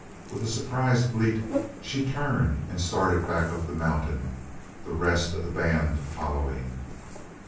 With a surprised bleat she turned and started back up the mountain, the rest of the band following.